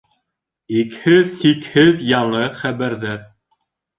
Икһеҙ-сикһеҙ яңы хәбәрҙәр...